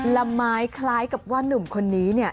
ละไม้คล้ายกับว่านุ่มคนนี้เนี่ย